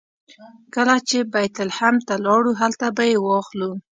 کله چې بیت لحم ته لاړو هلته به یې واخلو.